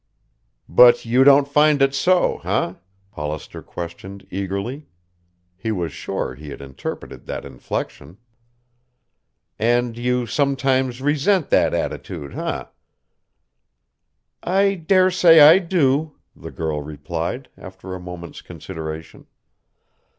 "But you don't find it so, eh?" Hollister questioned eagerly. He was sure he had interpreted that inflection. "And you sometimes resent that attitude, eh?" "I daresay I do," the girl replied, after a moment's consideration.